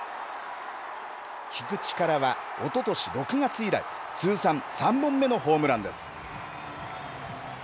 菊池からはおととし６月以来、通算３本目のホームランです。